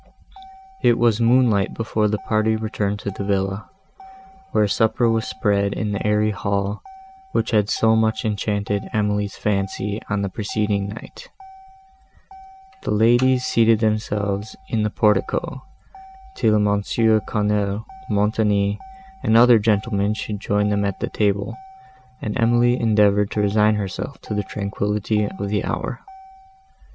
It was moonlight before the party returned to the villa, where supper was spread in the airy hall, which had so much enchanted Emily's fancy, on the preceding night. The ladies seated themselves in the portico, till Mons. Quesnel, Montoni, and other gentlemen should join them at table, and Emily endeavoured to resign herself to the tranquillity of the hour.